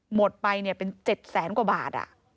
หมดไปเป็น๗แสนกว่าบาท